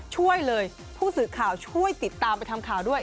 ช่วยเลยผู้สื่อข่าวช่วยติดตามไปทำข่าวด้วย